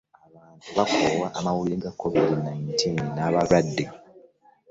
Abantu baakoowa amawulire ga covid nineteen n'abalwadde.